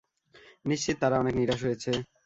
নিশ্চিত তারা অনেক নিরাশ হয়েছে।